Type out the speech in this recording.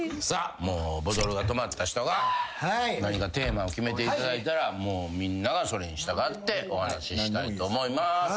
さあもうボトルが止まった人が何かテーマを決めていただいたらみんながそれに従ってお話したいと思いまーす。